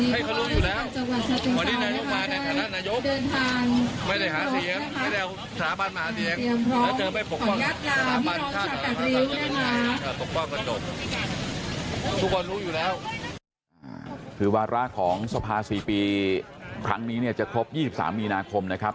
วันนี้เดินทางคือบราคาของทรภาษีปีครั้งนี้จะครบ๒๓มีนาคมนะครับ